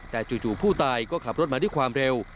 แต่จู่ผู้ตายก็ขับรถมาด้วยความเร็ว